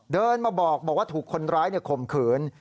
เดินมาบอกว่าถูกคนร้ายข่มขืน